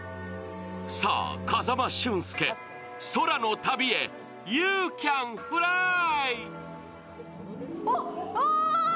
さあ、風間俊介、空の旅へユー・キャン・フライ！